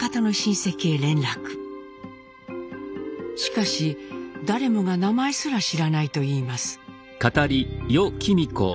しかし誰もが名前すら知らないといいます。